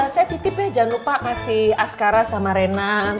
saya titip ya jangan lupa kasih askara sama renan